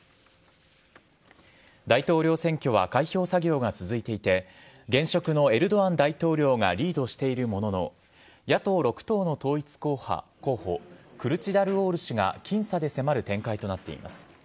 大統領選挙は開票作業が続いていて、現職のエルドアン大統領がリードしているものの、野党６党の統一候補、クルチダルオール氏が僅差で迫る展開となっています。